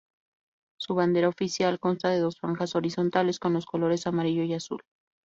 Su bandera oficial consta de dos franjas horizontales con los colores amarillo y azul.